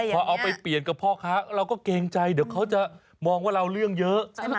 พอเอาไปเปลี่ยนกับพ่อค้าเราก็เกรงใจเดี๋ยวเขาจะมองว่าเราเรื่องเยอะ